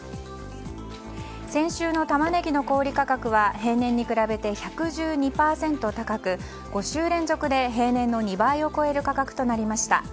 先週のタマネギの小売価格は平年に比べて１１２％高く、５週連続で平年の２倍を超える価格となりました。